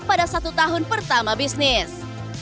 pada satu tahun pertama bisnis